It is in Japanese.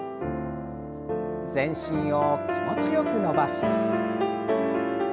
全身を気持ちよく伸ばして。